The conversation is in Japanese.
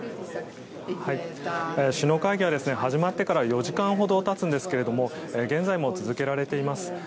首脳会議は始まってから４時間ほど経つんですけど現在も続けられています。